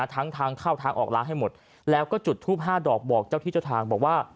ทั้งทางเข้าทางออกล้างให้หมดแล้วก็จุดทูป๕ดอกบอกเจ้าที่เจ้าทางบอกว่า